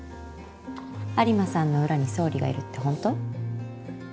有馬さんの裏に総理がいるってほんと？